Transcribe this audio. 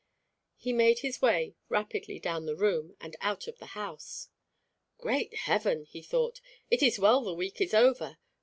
He made his way rapidly down the room, and out of the house. "Great heaven!" he thought. "It is well the week is over.